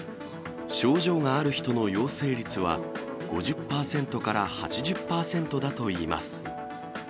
症状がある人の陽性率は、５０％から８０％だといいます。